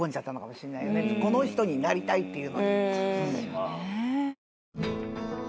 この人になりたいっていう。